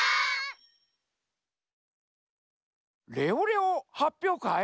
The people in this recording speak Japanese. レオレオはっぴょうかい？